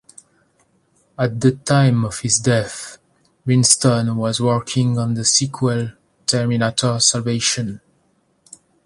At the time of his death, Winston was working on the sequel "Terminator Salvation".